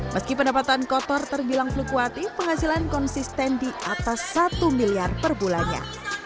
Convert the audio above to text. meski pendapatan kotor terbilang fluktuatif penghasilan konsisten di atas satu miliar per bulannya